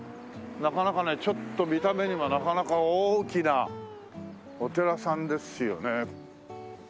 なかなかねちょっと見た目にはなかなか大きなお寺さんですよね。